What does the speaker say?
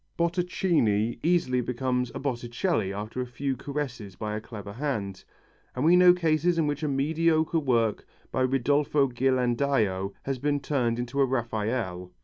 Botticini easily becomes a Botticelli after a few caresses by a clever hand, and we know cases in which a mediocre work by Ridolfo Ghirlandaio has been turned into a Raphael.